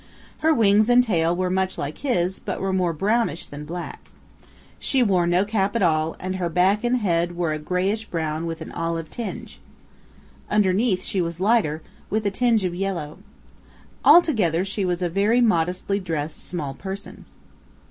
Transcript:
Her wings and tail were much like his but were more brownish than black. She wore no cap it all and her back and head were a grayish brown with an olive tinge. Underneath she was lighter, with a tinge of yellow. All together she was a very modestly dressed small person.